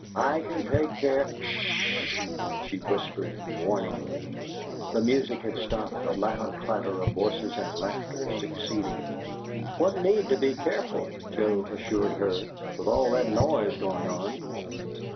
"I can take care " "'SH!" she whispered, warningly. The music had stopped, a loud clatter of voices and laughter succeeding it. "What need to be careful," Joe assured her, "with all that noise going on?"